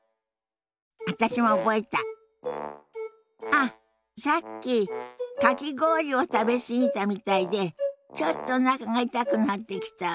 あっさっきかき氷を食べ過ぎたみたいでちょっとおなかが痛くなってきたわ。